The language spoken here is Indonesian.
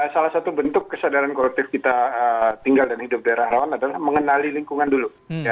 salah satu bentuk kesadaran koruptif kita tinggal dan hidup daerah rawan adalah mengenali lingkungan dulu